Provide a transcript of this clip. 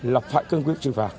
lập thoại cân quyết xử phạt